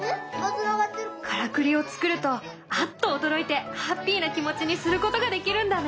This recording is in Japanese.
からくりを作るとアッと驚いてハッピーな気持ちにすることができるんだね！